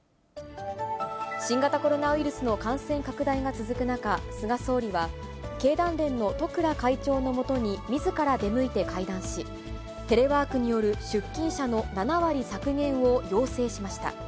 新型コロナウイルスの感染拡大が続く中、菅総理は、経団連の十倉会長のもとにみずから出向いて会談し、テレワークによる出勤者の７割削減を要請しました。